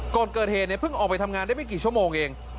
ก่อนเกิดเหตุเนี่ยเพิ่งออกไปทำงานได้ไม่กี่ชั่วโมงเอง